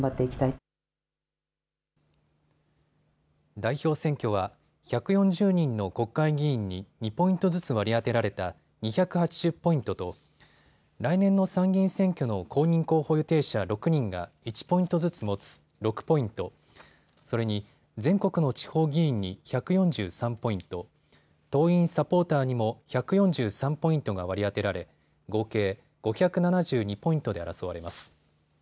代表選挙は１４０人の国会議員に２ポイントずつ割り当てられた２８０ポイントと来年の参議院選挙の公認候補予定者６人が１ポイントずつ持つ６ポイント、それに全国の地方議員に１４３ポイント、党員・サポーターにも１４３ポイントが割り当てられ合計５７２ポイントで争われます。